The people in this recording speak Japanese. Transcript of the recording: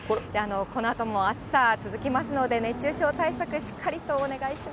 このあとも暑さ続きますので、熱中症対策、しっかりとお願いしま